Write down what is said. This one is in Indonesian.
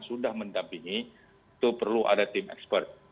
sudah mendampingi itu perlu ada tim expert